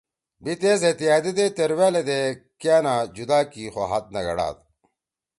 بھی تیس حیتأدیدے تیروألدے کأنا جُدا کی خو ہات نہ گھڑاد۔